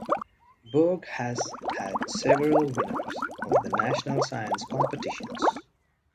Berg has had several winners of the national science competitions.